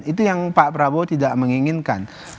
itu yang pak prabowo tidak menginginkan